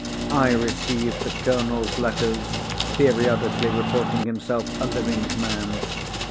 I received the Colonel's letters, periodically reporting himself a living man.